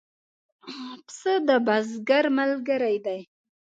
پسه د بزګر ملګری دی.